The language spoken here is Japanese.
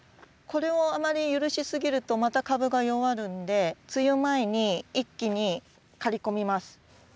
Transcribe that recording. これをあまり許しすぎるとまた株が弱るんで梅雨前に一気に刈り込みます。